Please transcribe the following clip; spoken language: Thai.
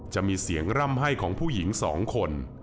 จะมีเสียงร่ำไห้ของผู้หญิง๒คน